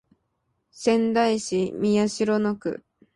仙台市宮城野区